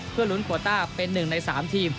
เพื่อลุ้นกว่าต้าเป็นหนึ่งใน๓ทีม